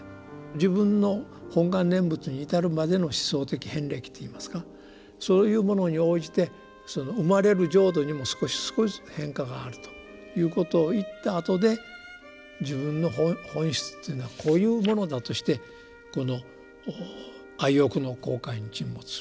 自分の「本願念仏」に至るまでの思想的遍歴っていいますかそういうものに応じてその生まれる浄土にも少しずつ少しずつ変化があるということを言ったあとで自分の本質というのはこういうものだとしてこの「愛欲の広海に沈没する」と。